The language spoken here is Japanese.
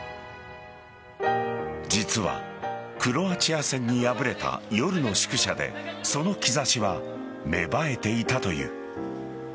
実は、クロアチア戦に敗れた夜の宿舎でその兆しは芽生えていたという。